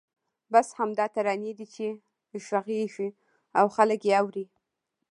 بس همدا ترانې دي چې غږېږي او خلک یې اوري.